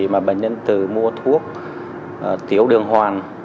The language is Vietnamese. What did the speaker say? mà bệnh nhân từ mua thuốc tiểu đường hoàng